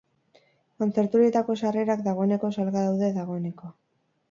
Kontzertu horietarako sarrerak dagoeneko salgai daude dagoeneko.